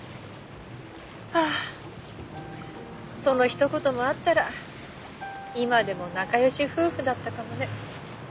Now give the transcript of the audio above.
ああそのひと言もあったら今でも仲良し夫婦だったかもね。